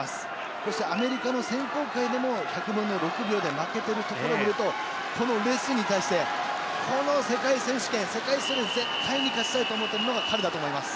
そしてアメリカの選考会でも１００分の６秒で負けているところを見るとこのレスに対してこの世界選手権、世界水泳で絶対に勝ちたいと思っているのが彼だと思います。